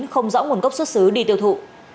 không rõ nguồn gốc xuất xứ đi tiêu thụ